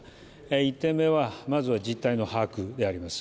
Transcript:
１点目はまずは実態の把握です。